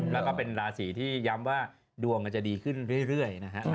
แล้วก็เป็นราศีที่ย้ำว่าดวงจะดีขึ้นเรื่อยนะฮะ